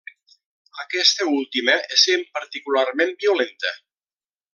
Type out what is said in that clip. Aquesta última essent particularment violenta.